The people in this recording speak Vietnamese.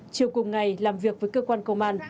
chiều cùng ngày làm việc với cơ quan công an